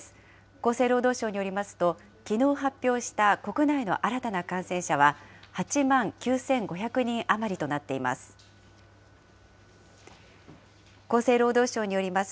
厚生労働省によりますと、きのう発表した国内の新たな感染者は、８万９５００人余りとなっています。